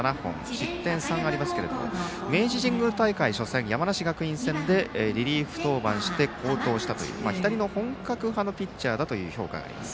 失点は３ありますけれども明治神宮大会初戦山梨学院戦でリリーフ登板して好投したという左の本格派のピッチャーだという話があります。